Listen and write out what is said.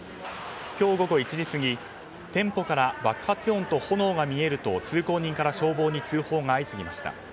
今日午後１時過ぎ店舗から爆発音と炎が見えると通行人から消防に通報が相次ぎました。